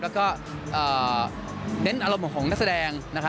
แล้วก็เน้นอารมณ์ของนักแสดงนะคะ